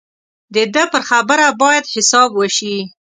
د ده پر خبره باید حساب وشي.